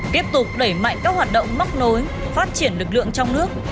tiếp tục đẩy mạnh các hoạt động mắc nối phát triển lực lượng trong nước